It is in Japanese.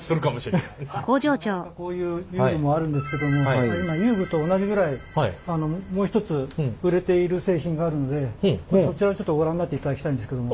なかなかこういう遊具もあるんですけども今遊具と同じぐらいもう一つ売れている製品があるのでそちらをちょっとご覧になっていただきたいんですけども。